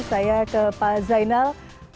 saya ke pak zainal